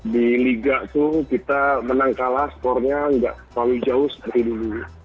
di liga itu kita menang kalah skornya nggak terlalu jauh seperti dulu